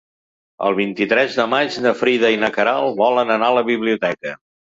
El vint-i-tres de maig na Frida i na Queralt volen anar a la biblioteca.